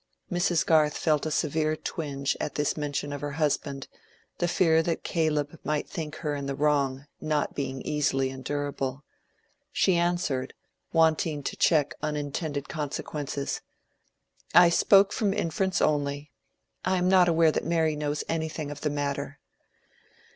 Mrs. Garth felt a severe twinge at this mention of her husband, the fear that Caleb might think her in the wrong not being easily endurable. She answered, wanting to check unintended consequences— "I spoke from inference only. I am not aware that Mary knows anything of the matter."